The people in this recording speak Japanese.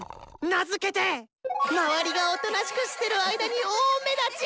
名付けて「周りがおとなしくしてる間に大目立ち！